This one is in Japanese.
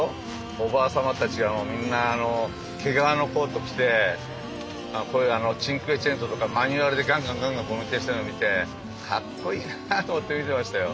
おばあ様たちがみんな毛皮のコート着てこういうチンクエチェントとかマニュアルでガンガンガンガン運転しているのを見てかっこいいなと思って見てましたよ。